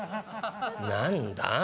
「何だ？